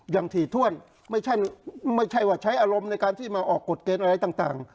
อย่างถี่ถ้วนไม่ใช่ไม่ใช่ว่าใช้อารมณ์ในการที่มาออกกฎเกณฑ์อะไรต่างต่าง